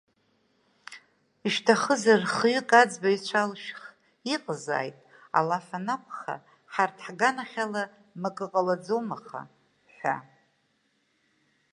Шәҭахызар, хҩык аӡбаҩцәа алшәх, иҟазааит, алаф анакәха, ҳарҭ ҳганахь ала макы ҟалаӡом, аха, ҳәа.